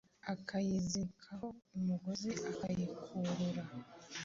akayizirikaho umugozi akayikurura,